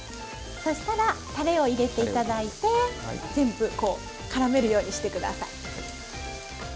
そしたらたれを入れて頂いて全部こうからめるようにして下さい。